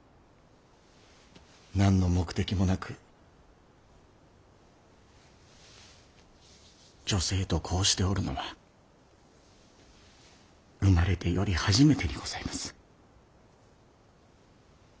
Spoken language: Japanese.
何の目的もなく女性とこうしておるのは生まれてより初めてにございます。